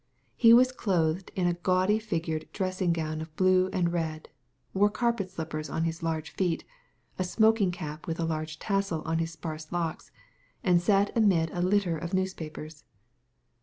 He was clothed in a gaudy figured dressing gown of blue and red, wore carpet slippers on his large feet, a smoking cap with a large tassel on his sparse locks, and sat amid a litter of newspapers.